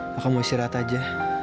kakak mau istirahat aja